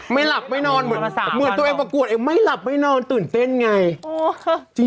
ไม่หลับไม่นอนเหมือนตัวเองประกวดเองไม่หลับไม่นอนตื่นเต้นไง